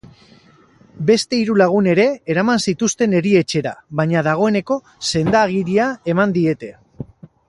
Beste hiru lagun ere eraman zituzten erietxera, baina dagoeneko senda-agiria eman diete.